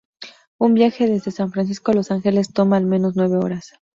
Un viaje desde San Francisco a Los Ángeles toma al menos nueve horas.